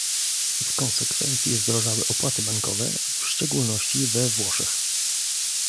W konsekwencji zdrożały opłaty bankowe, w szczególności we Włoszech